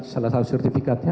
salah satu sertifikatnya